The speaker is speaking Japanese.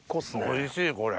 おいしいこれ！